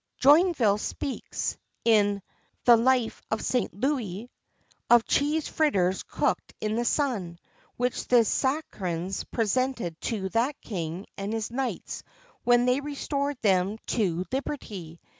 Joinville speaks, in "The life of St. Louis," of cheese fritters cooked in the sun, which the Saracens presented to that king and his knights when they restored them to liberty.